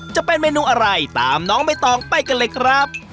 จะเป็นเมนูอะไรตามน้องใบตองไปกันเลยครับ